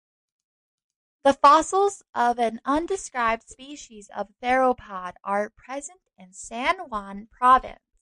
The fossils of an undescribed species of theropod are present in San Juan Province.